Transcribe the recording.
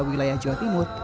wilayah jawa timur